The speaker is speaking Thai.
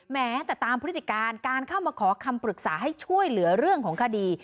แม้แต่ตามพฤติการการเข้ามาขอคำปรึกษาให้ช่วยเหลือเรื่องของคดี